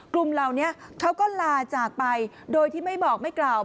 กลุ่มเหล่านี้เขาก็ลาจากไปโดยที่ไม่บอกไม่กล่าว